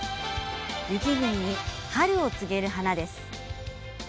雪国に春を告げる花です。